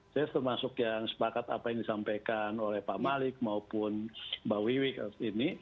saya termasuk yang sepakat apa yang disampaikan oleh pak malik maupun mbak wiwi ini